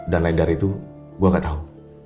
dan lain dari itu gue gak tau